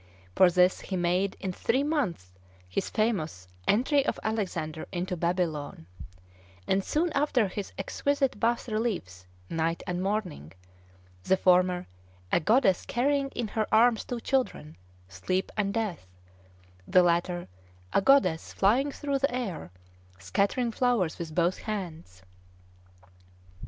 For this, he made in three months his famous "Entry of Alexander into Babylon," and soon after his exquisite bas reliefs, "Night" and "Morning," the former, a goddess carrying in her arms two children, Sleep and Death; the latter, a goddess flying through the air, scattering flowers with both hands.